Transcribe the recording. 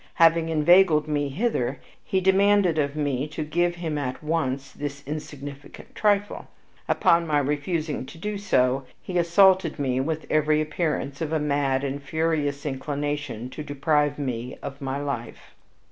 Having inveigled me hither, he demanded of me to give him at once this insignificant trifle. Upon my refusing to do so, he assaulted me with every appearance of a mad and furious inclination to deprive me of my life!"